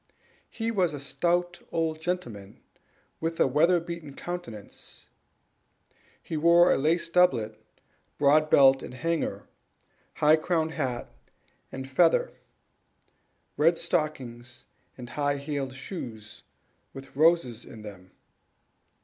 He was a stout old gentleman, with a weather beaten countenance; he wore a laced doublet, broad belt and hanger, high crowned hat and feather, red stockings, and high heeled shoes, with roses in them.